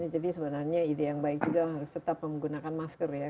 jadi sebenarnya ide yang baik juga harus tetap menggunakan masker ya